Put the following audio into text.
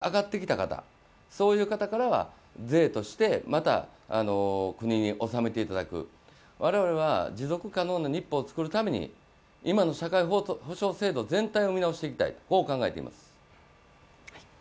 そしてそのチャレンジの中で所得が上がってきた方そういう方からは税として、また国に納めていただく我々は持続可能な日本を作るために今の社会保障制度を全体を見直していきたい、そう考えています。